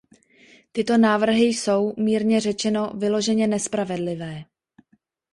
Tyto návrhy jsou , mírně řečeno, vyloženě nespravedlivé.